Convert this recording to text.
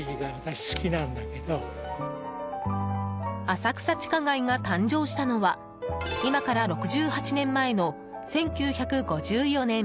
浅草地下街が誕生したのは今から６８年前の１９５４年。